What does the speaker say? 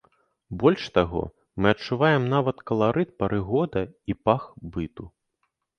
Больш таго, мы адчуваем нават каларыт пары года і пах быту.